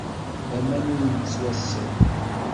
D aman ur nettwasaw!